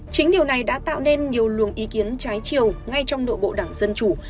chính điều này đã tạo nên nhiều luồng ý kiến trái chiều ngay trong nội bộ đảng dân chủ